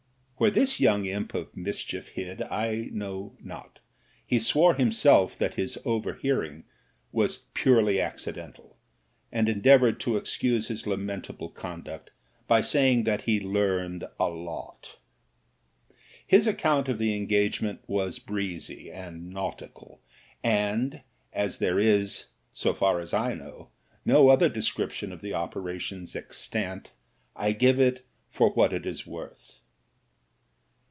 Where this young imp of mis chief hid, I know not; he swore himself that his over hearing was purely accidental, and endeavoured to ex cuse his lamentable conduct by saying that he learned a lot! His account of the engagement was breezy and nautical ; and as there is, so far as I know, no other description of the operations extant, I give it for what it is worth.